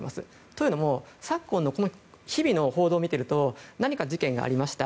というのも昨今の日々の報道を見ていると何か事件がありました